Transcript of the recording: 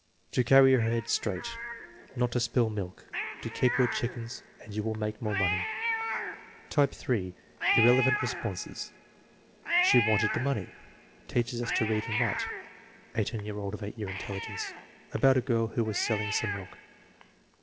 "To carry her head straight." "Not to spill milk." "To keep your chickens and you will make more money." Type (3), irrelevant responses: "She wanted the money." "Teaches us to read and write" (18 year old of 8 year intelligence). "About a girl who was selling some milk."